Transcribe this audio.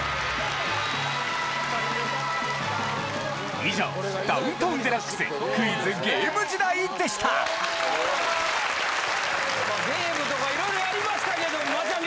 以上『ダウンタウンＤＸ』クイズ＆ゲーム時代でしたゲームとか色々やりましたけどもマチャミ。